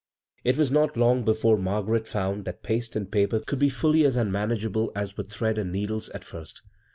It was not long before Margaret found that paste and paper could be fully as un manageable as were thread and needles at the first.